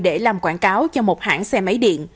công an tp hcm đã làm quảng cáo cho một hãng xe máy điện